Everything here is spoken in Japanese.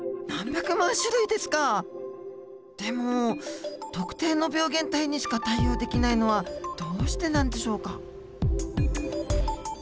でも特定の病原体にしか対応できないのはどうしてなんでしょうか？